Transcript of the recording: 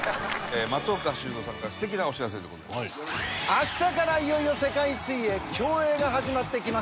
明日からいよいよ世界水泳競泳が始まっていきます。